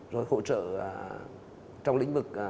rồi hỗ trợ trong lĩnh vực